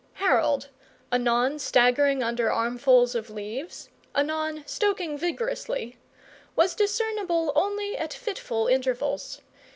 Harold, anon staggering under armfuls of leaves, anon stoking vigorously, was discernible only at fitful intervals.